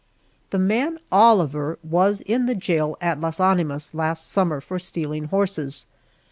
The man Oliver was in the jail at Las Animas last summer for stealing horses.